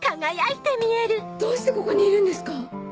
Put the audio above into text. どうしてここにいるんですか？